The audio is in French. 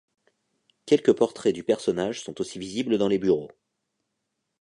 Quelques portraits du personnage sont aussi visibles dans les bureaux.